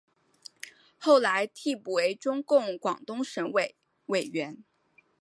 后来递补为中共广东省委委员。